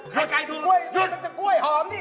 ไข่ไก่ถูกหยุดมันจะกล้วยหอมสิ